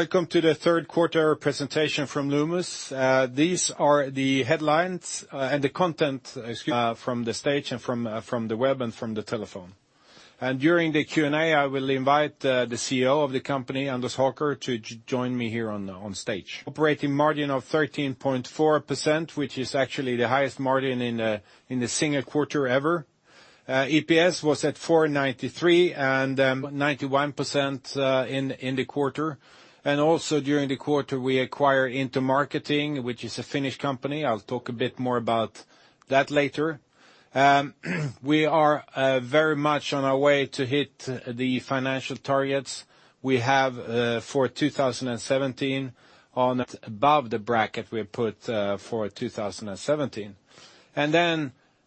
Welcome to the third quarter presentation from Loomis. These are the headlines and the content. Excuse me, from the stage and from the web and from the telephone. During the Q&A, I will invite the CEO of the company, Anders Håker, to join me here on stage. Operating margin of 13.4%, which is actually the highest margin in the single quarter ever. EPS was at 4.93 and 91% in the quarter. Also during the quarter we acquire Intermarketing, which is a Finnish company. I'll talk a bit more about that later. We are very much on our way to hit the financial targets we have for 2017 above the bracket we put for 2017.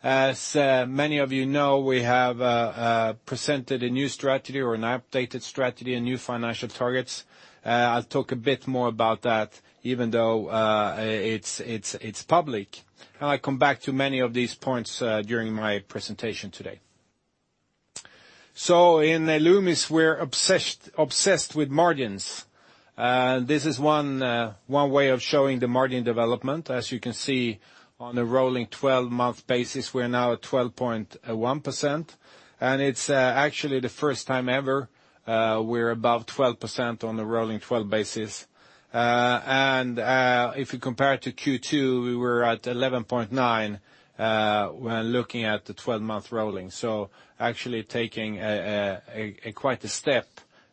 As many of you know, we have presented a new strategy or an updated strategy, a new financial targets. I'll talk a bit more about that even though it's public. I come back to many of these points during my presentation today. In Loomis we're obsessed with margins. This is one way of showing the margin development. As you can see on the rolling 12-month basis, we're now at 12.1%. It's actually the first time ever we're above 12% on the rolling 12 basis. If you compare it to Q2, we were at 11.9%, when looking at the 12-month rolling. Actually taking quite a step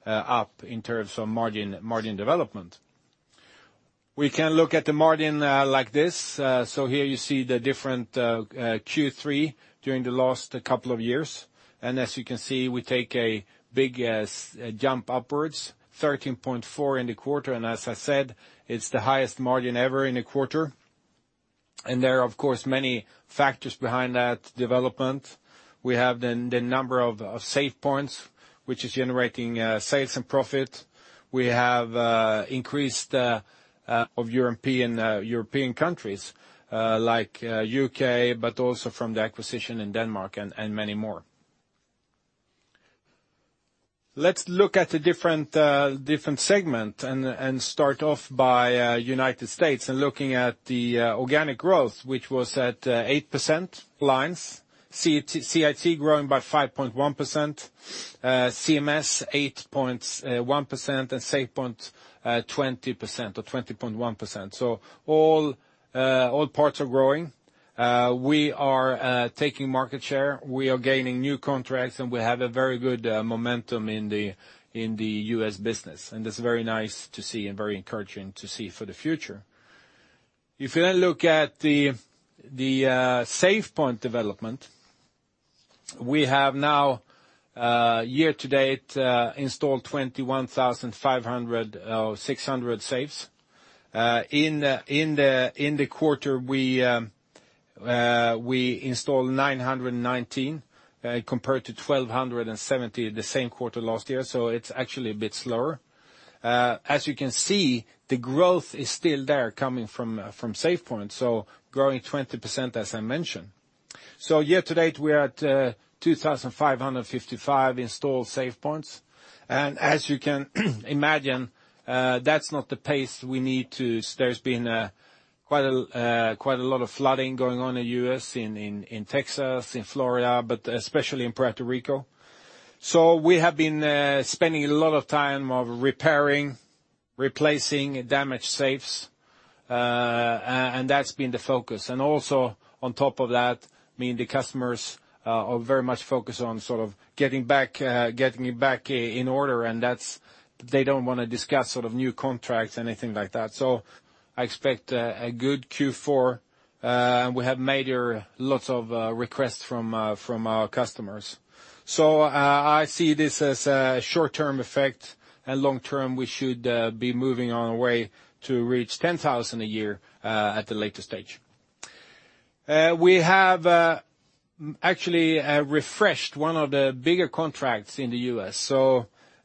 up in terms of margin development. We can look at the margin like this. Here you see the different Q3 during the last couple of years. As you can see, we take a big jump upwards, 13.4% in the quarter, and as I said, it's the highest margin ever in a quarter. There are of course, many factors behind that development. We have the number of SafePoints, which is generating sales and profit. We have increased of European countries like U.K., but also from the acquisition in Denmark and many more. Let's look at the different segment and start off by U.S. and looking at the organic growth, which was at 8%. CIT growing by 5.1%. CMS 8.1% and SafePoint 20% or 20.1%. All parts are growing. We are taking market share, we are gaining new contracts, and we have a very good momentum in the U.S. business, and it's very nice to see and very encouraging to see for the future. If you then look at the SafePoint development, we have now year to date installed 21,600 safes. In the quarter, we installed 919 compared to 1,270 the same quarter last year, so it's actually a bit slower. As you can see, the growth is still there coming from SafePoint, growing 20% as I mentioned. Year to date, we are at 2,555 installed SafePoints. As you can imagine, that's not the pace we need. There's been quite a lot of flooding going on in U.S., in Texas, in Florida, but especially in Puerto Rico. We have been spending a lot of time on repairing, replacing damaged safes. That's been the focus. Also on top of that, the customers are very much focused on getting back in order, and they don't want to discuss new contracts, anything like that. I expect a good Q4. We have made here lots of requests from our customers. I see this as a short-term effect, and long-term, we should be moving on a way to reach 10,000 a year at the later stage. We have actually refreshed one of the bigger contracts in the U.S.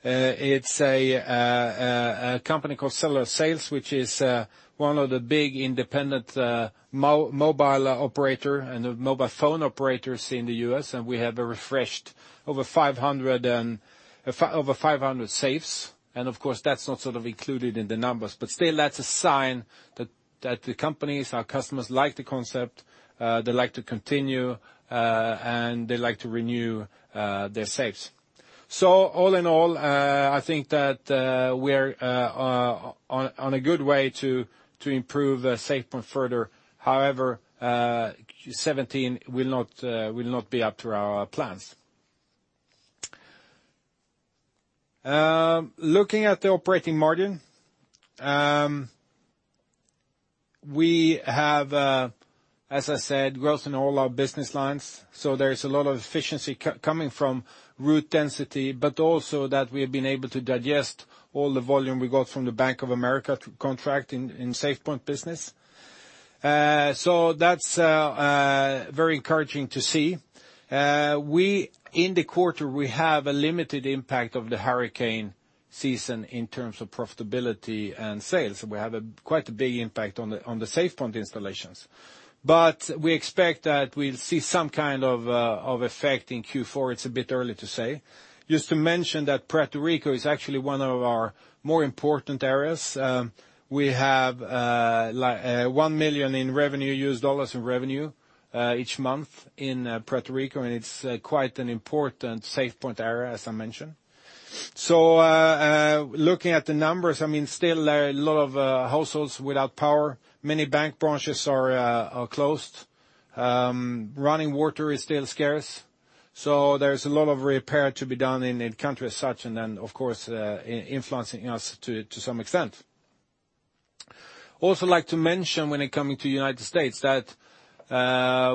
It's a company called Cellular Sales, which is one of the big independent mobile operator and mobile phone operators in the U.S., and we have refreshed over 500 safes. Of course, that's not included in the numbers, but still that's a sign that the companies, our customers like the concept, they like to continue, and they like to renew their safes. All in all, I think that we're on a good way to improve SafePoint further. However, 2017 will not be up to our plans. Looking at the operating margin. We have, as I said, growth in all our business lines, there is a lot of efficiency coming from route density, but also that we have been able to digest all the volume we got from the Bank of America contract in SafePoint business. That's very encouraging to see. In the quarter, we have a limited impact of the hurricane season in terms of profitability and sales. We have quite a big impact on the SafePoint installations. We expect that we'll see some kind of effect in Q4. It's a bit early to say. Just to mention that Puerto Rico is actually one of our more important areas. We have $1 million in revenue, US dollars in revenue each month in Puerto Rico, and it's quite an important SafePoint area, as I mentioned. Looking at the numbers, still a lot of households without power. Many bank branches are closed. Running water is still scarce. There's a lot of repair to be done in the country as such and then, of course, influencing us to some extent. Also like to mention when it coming to U.S., that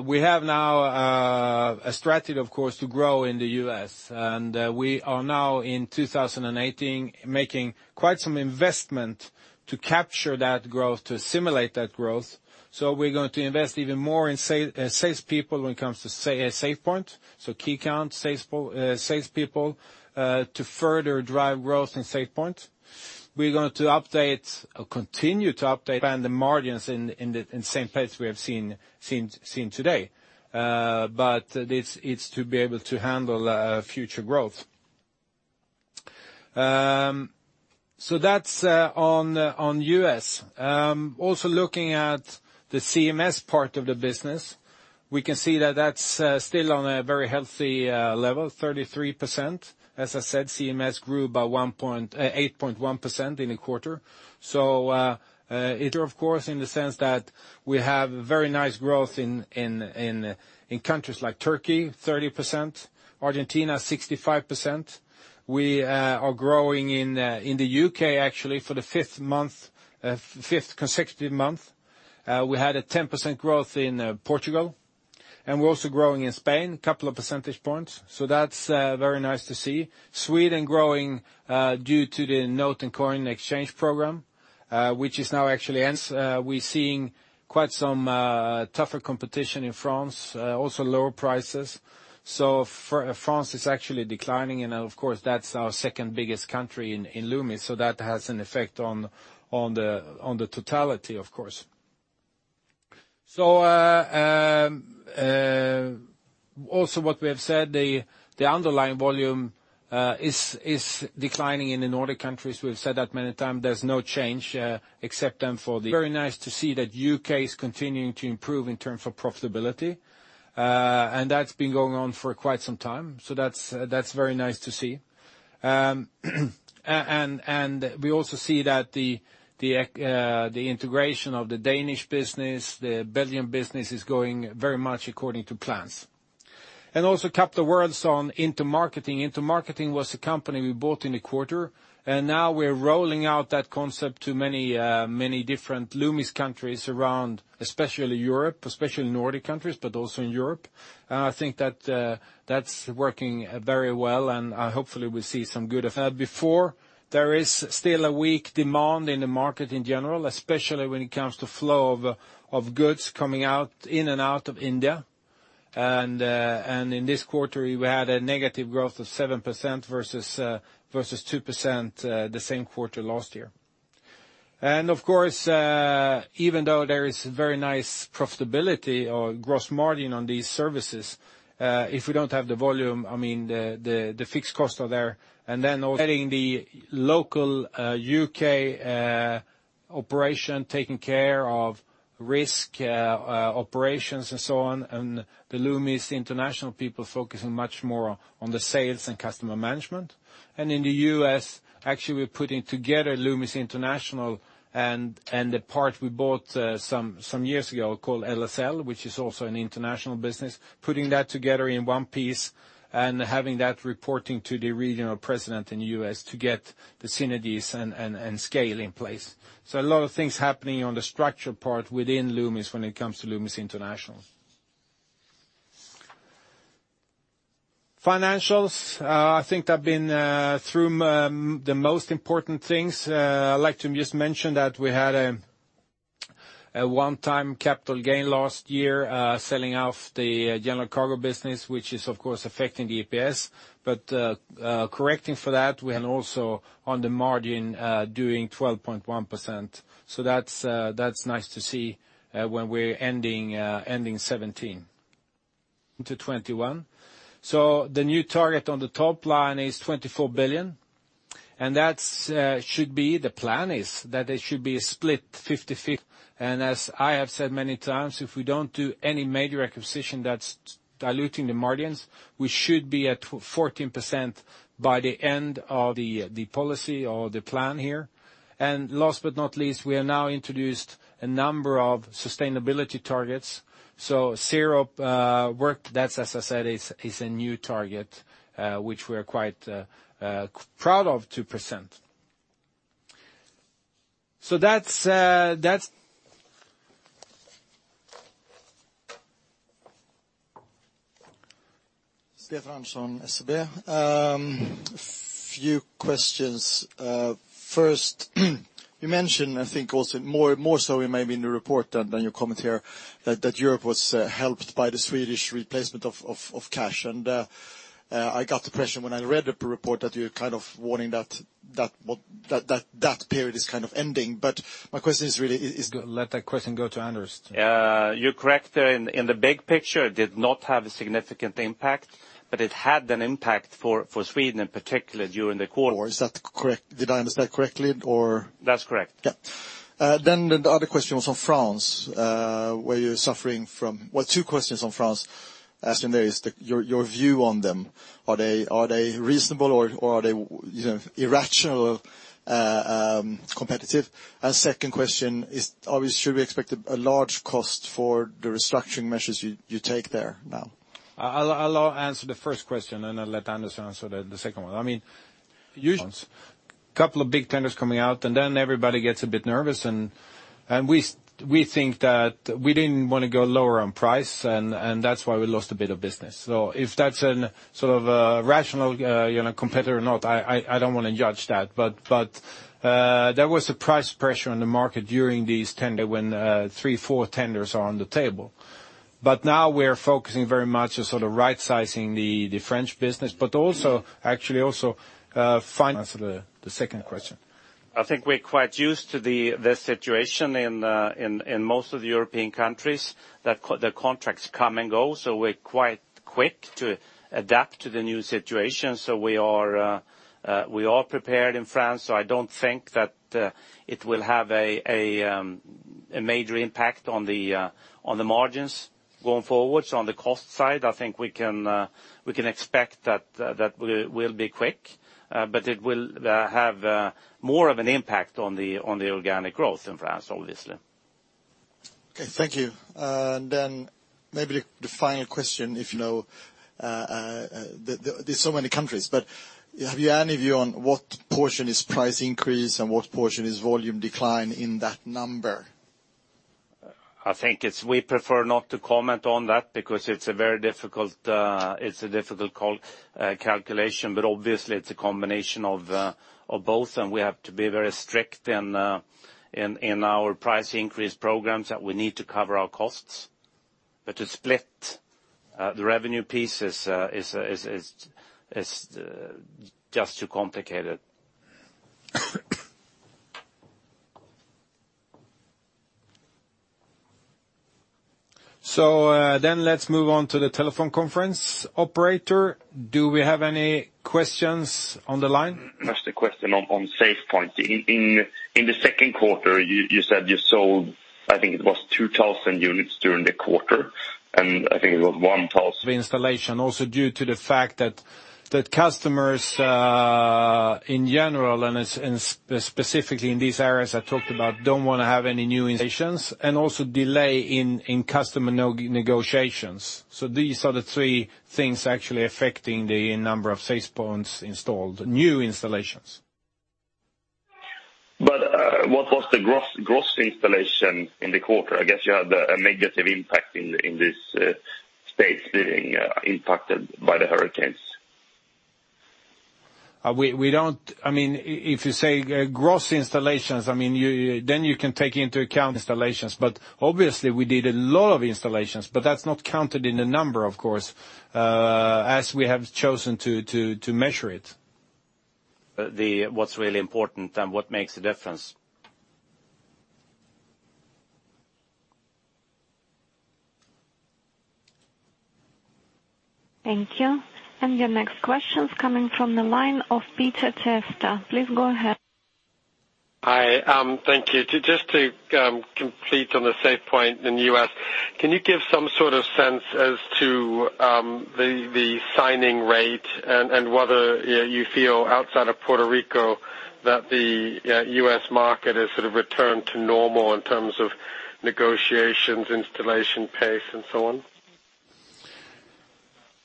we have now a strategy, of course, to grow in the U.S., and we are now in 2018 making quite some investment to capture that growth, to assimilate that growth. We're going to invest even more in salespeople when it comes to SafePoint. Key count salespeople to further drive growth in SafePoint. We're going to update or continue to update and the margins in the same place we have seen today. It's to be able to handle future growth. That's on U.S. Also looking at the CMS part of the business, we can see that that's still on a very healthy level, 33%. As I said, CMS grew by 8.1% in a quarter. It of course, in the sense that we have very nice growth in countries like Turkey, 30%, Argentina, 65%. We are growing in the U.K. actually for the fifth consecutive month. We had a 10% growth in Portugal. We're also growing in Spain, couple of percentage points. That's very nice to see. Sweden growing due to the note and coin exchange program which is now actually ends. We're seeing quite some tougher competition in France, also lower prices. France is actually declining and, of course, that's our second biggest country in Loomis, that has an effect on the totality, of course. Also what we have said, the underlying volume is declining in the Nordic countries. We've said that many times. There's no change except then. Very nice to see that U.K. is continuing to improve in terms of profitability. That's been going on for quite some time, that's very nice to see. We also see that the integration of the Danish business, the Belgian business, is going very much according to plans. Also a couple of words on Intermarketing. Intermarketing was a company we bought in the quarter, and now we're rolling out that concept to many different Loomis countries around, especially Europe, especially Nordic countries, but also in Europe. I think that's working very well, and hopefully we see some good effect. Before there is still a weak demand in the market in general, especially when it comes to flow of goods coming in and out of India. In this quarter, we had a negative growth of 7% versus 2% the same quarter last year. Of course, even though there is very nice profitability or gross margin on these services, if we don't have the volume, the fixed costs are there. Getting the local U.K. operation, taking care of risk operations and so on, and the Loomis International people focusing much more on the sales and customer management. In the U.S., actually, we're putting together Loomis International and the part we bought some years ago called LSL, which is also an international business, putting that together in one piece and having that reporting to the regional president in the U.S. to get the synergies and scale in place. A lot of things happening on the structure part within Loomis when it comes to Loomis International. Financials. I think I've been through the most important things. I'd like to just mention that we had a one-time capital gain last year selling off the general cargo business, which is of course affecting the EPS. Correcting for that, we had also on the margin, doing 12.1%. That's nice to see when we're ending 2017. Into 2021. The new target on the top line is 24 billion. The plan is that it should be split 50/50. As I have said many times, if we don't do any major acquisition that's diluting the margins, we should be at 14% by the end of the policy or the plan here. Last but not least, we are now introduced a number of sustainability targets. work, that, as I said, is a new target, which we are quite proud of 2%. That's. Stefan Andersson, SEB. Few questions. First, you mentioned, I think also more so maybe in the report than your comment here, that Europe was helped by the Swedish replacement of cash. I got the impression when I read the report that you're kind of warning that period is kind of ending. My question is really. Let that question go to Anders. You're correct. In the big picture, it did not have a significant impact, but it had an impact for Sweden in particular during the quarter. Did I understand correctly? That's correct. Yeah. The other question was on France, where you're suffering from Well, two questions on France, asking there is your view on them. Are they reasonable or are they irrationally competitive? Second question is, obviously, should we expect a large cost for the restructuring measures you take there now? I'll answer the first question. I'll let Anders answer the second one. Usually, couple of big tenders coming out. Everybody gets a bit nervous. We think that we didn't want to go lower on price. That's why we lost a bit of business. If that's a rational competitor or not, I don't want to judge that. There was a price pressure on the market during these tender when three, four tenders are on the table. Now we're focusing very much on right-sizing the French business, but also actually also Answer the second question. I think we're quite used to the situation in most of the European countries that the contracts come and go. We're quite quick to adapt to the new situation. We are prepared in France, so I don't think that it will have a major impact on the margins going forward. On the cost side, I think we can expect that that will be quick. It will have more of an impact on the organic growth in France, obviously. Okay, thank you. Maybe the final question, if you know, there's so many countries, but have you any view on what portion is price increase and what portion is volume decline in that number? We prefer not to comment on that because it's a very difficult calculation, obviously, it's a combination of both, we have to be very strict in our price increase programs that we need to cover our costs. To split the revenue piece is just too complicated. Let's move on to the telephone conference. Operator, do we have any questions on the line? Just a question on SafePoint. In the second quarter, you said you sold, I think it was 2,000 units during the quarter, and I think it was 1,000- Installation, also due to the fact that customers in general, and specifically in these areas I talked about, don't want to have any new installations, and also delay in customer negotiations. These are the three things actually affecting the number of SafePoints installed, new installations. What was the gross installation in the quarter? I guess you had a negative impact in this space being impacted by the hurricanes. If you say gross installations, then you can take into account installations. Obviously, we did a lot of installations, but that's not counted in the number, of course, as we have chosen to measure it. What's really important and what makes a difference. Thank you. Your next question's coming from the line of Peter Biester. Please go ahead. Hi. Thank you. Just to complete on the SafePoint in the U.S., can you give some sort of sense as to the signing rate and whether you feel outside of Puerto Rico that the U.S. market has sort of returned to normal in terms of negotiations, installation pace, and so on?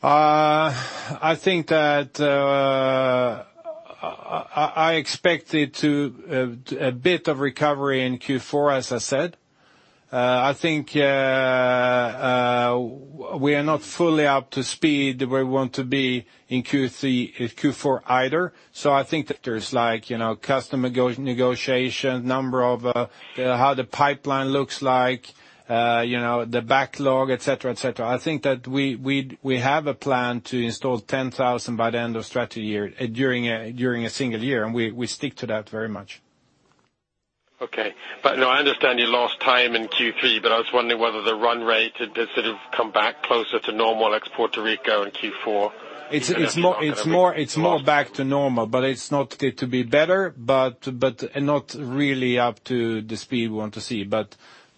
I think that I expect it to a bit of recovery in Q4, as I said. I think we are not fully up to speed where we want to be in Q4 either. I think that there's customer negotiation, how the pipeline looks like, the backlog, et cetera. I think that we have a plan to install 10,000 by the end of strategy year during a single year, and we stick to that very much. Okay. No, I understand you lost time in Q3, but I was wondering whether the run rate had sort of come back closer to normal ex Puerto Rico in Q4. It's more back to normal, but it's not to be better, but not really up to the speed we want to see.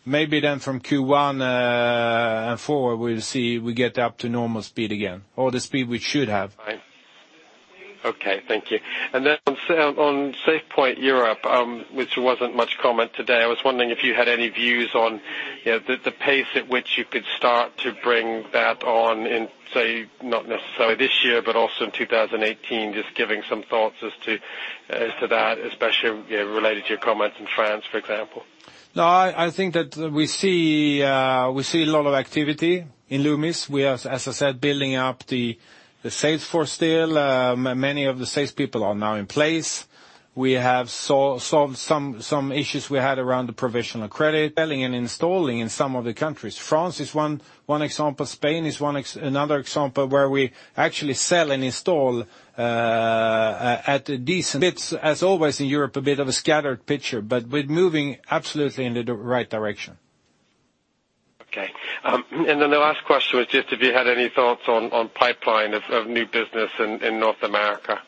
Maybe then from Q1 forward, we'll see we get up to normal speed again or the speed we should have. Right. Okay, thank you. Then on SafePoint Europe, which wasn't much comment today, I was wondering if you had any views on the pace at which you could start to bring that on in, say, not necessarily this year, but also in 2018, just giving some thoughts as to that, especially related to your comments in France, for example. No, I think that we see a lot of activity in Loomis. We are, as I said, building up the sales force still. Many of the salespeople are now in place. We have solved some issues we had around the provision of credit, selling and installing in some of the countries. France is one example. Spain is another example where we actually sell and install at a decent. It's, as always, in Europe, a bit of a scattered picture, but we're moving absolutely in the right direction. Okay. Then the last question was just if you had any thoughts on pipeline of new business in North America,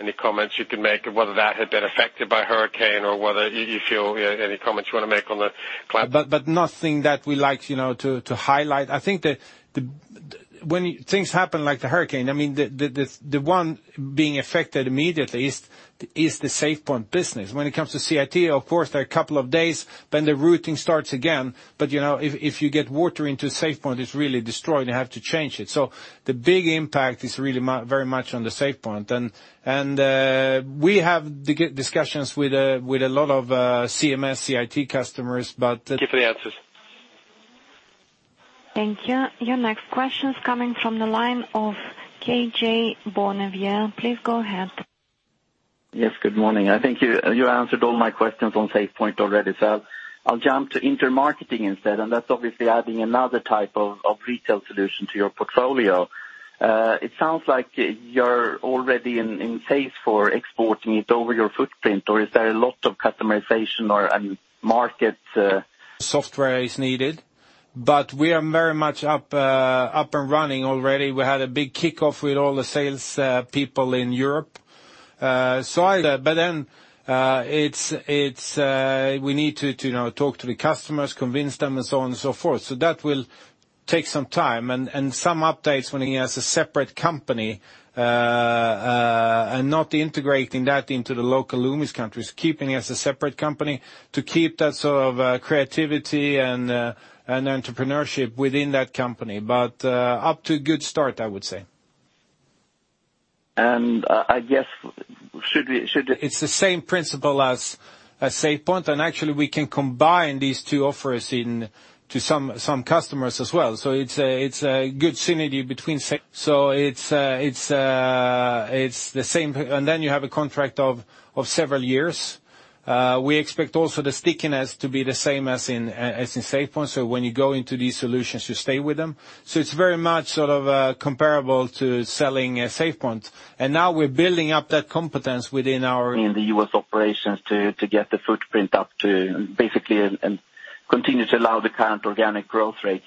any comments you can make whether that had been affected by hurricane or whether you feel, any comments you want to make on the. Nothing that we like to highlight. I think that when things happen like the hurricane, the one being affected immediately is the SafePoint business. When it comes to CIT, of course, there are a couple of days when the routing starts again, but if you get water into SafePoint, it's really destroyed, and you have to change it. The big impact is really very much on the SafePoint. We have discussions with a lot of CMS, CIT customers, but. Thank you for the answers. Thank you. Your next question is coming from the line of KJ Bonneville. Please go ahead. Yes, good morning. I think you answered all my questions on SafePoint already. I'll jump to Intermarketing instead, and that's obviously adding another type of retail solution to your portfolio. It sounds like you're already in pace for exporting it over your footprint or is there a lot of customization? Software is needed, we are very much up and running already. We had a big kickoff with all the sales people in Europe. We need to talk to the customers, convince them, and so on and so forth. That will take some time and some updates when he has a separate company, and not integrating that into the local Loomis countries, keeping it as a separate company to keep that creativity and entrepreneurship within that company. Off to a good start, I would say. I guess, should we? It's the same principle as SafePoint, actually we can combine these two offers to some customers as well. It's a good synergy between. It's the same, you have a contract of several years. We expect also the stickiness to be the same as in SafePoint. When you go into these solutions, you stay with them. It's very much comparable to selling a SafePoint. Now we're building up that competence within our- In the U.S. operations to get the footprint up to basically and continue to allow the current organic growth rates.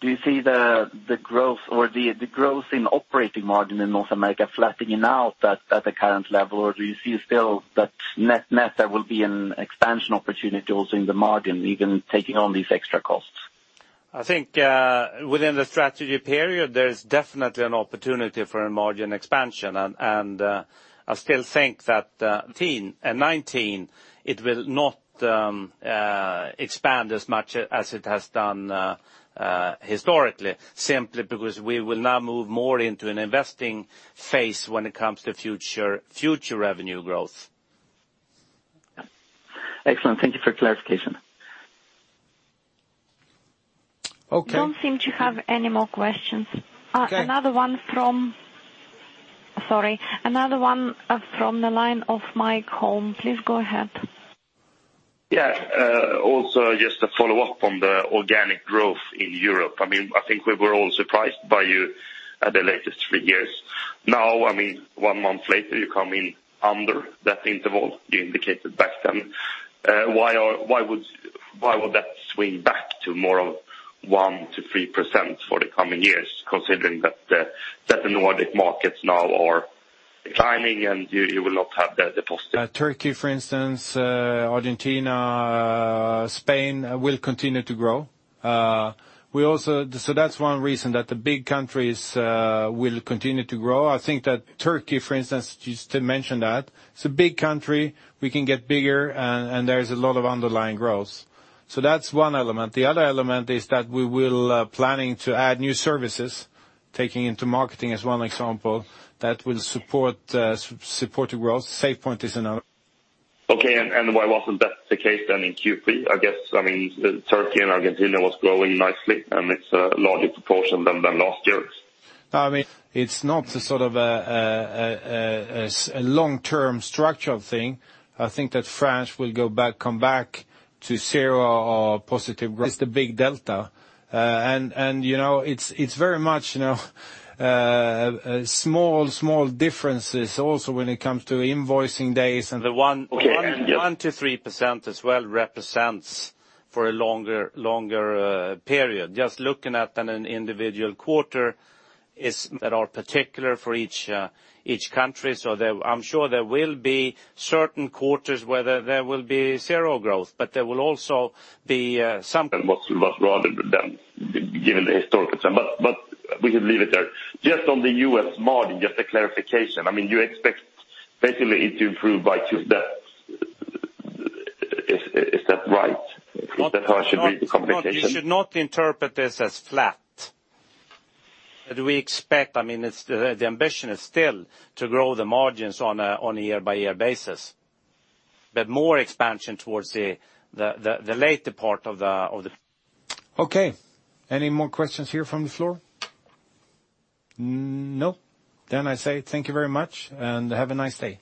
Do you see the growth in operating margin in North America flattening out at the current level or do you see still that net there will be an expansion opportunity also in the margin, even taking on these extra costs? I think within the strategy period, there is definitely an opportunity for a margin expansion. I still think that 2018 and 2019 it will not expand as much as it has done historically, simply because we will now move more into an investing phase when it comes to future revenue growth. Excellent. Thank you for clarification. Okay. Don't seem to have any more questions. Okay. Also just a follow-up on the organic growth in Europe. I think we were all surprised by you at the latest three years. Now, one month later, you come in under that interval you indicated back then. Why would that swing back to more of 1%-3% for the coming years, considering that the Nordic markets now are declining and you will not have the deposit? Turkey, for instance, Argentina, Spain will continue to grow. That's one reason that the big countries will continue to grow. I think that Turkey, for instance, just to mention that, it's a big country. We can get bigger and there is a lot of underlying growth. That's one element. The other element is that we will planning to add new services, taking Intermarketing as one example that will support the growth. SafePoint is another. Okay, why wasn't that the case then in Q3? I guess Turkey and Argentina was growing nicely, it's a larger proportion than last year's. It's not a long-term structural thing. I think that France will come back to zero or positive. It's the big delta. It's very much small differences also when it comes to invoicing days. Okay. The 1% to 3% as well represents for a longer period. Just looking at an individual quarter. I'm sure there will be certain quarters whether there will be zero growth, but there will also be. That was rather than given the historical term. We could leave it there. Just on the U.S. margin, just a clarification. You expect basically it to improve by 2 steps. Is that right? Is that how it should be, the communication? You should not interpret this as flat. We expect, the ambition is still to grow the margins on a year-by-year basis. Okay. Any more questions here from the floor? No. I say thank you very much and have a nice day.